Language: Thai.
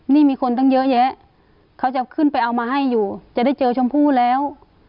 นี่มีคนตั้งเยอะแยะเขาจะขึ้นไปเอามาให้อยู่จะได้เจอชมพู่แล้ว